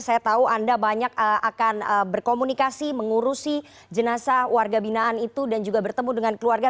saya tahu anda banyak akan berkomunikasi mengurusi jenazah warga binaan itu dan juga bertemu dengan keluarga